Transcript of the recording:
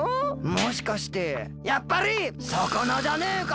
もしかしてやっぱりさかなじゃねえか！